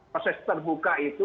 proses terbuka itu